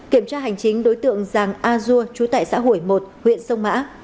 kiểm tra hành chính đối tượng giàng a dua chú tại xã hủy một huyện sông mã